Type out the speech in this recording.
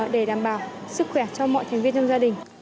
để đảm bảo sức khỏe cho mọi thành viên trong gia đình